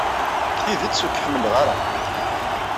Deg tidet, ur k-ḥemmleɣ ara.